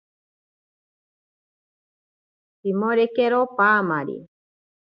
Pimorekero paamari.